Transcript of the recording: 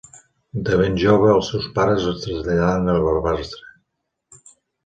De ben jove els seus pares es traslladaren a Barbastre.